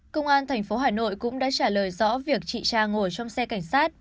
công an tp hà nội cũng đã trả lời rõ việc chị trang ngồi trong xe cảnh sát